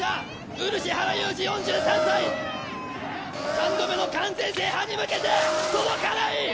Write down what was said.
３度目の完全制覇に向けて届かない！